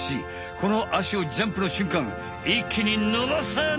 このあしをジャンプのしゅんかんいっきにのばせな！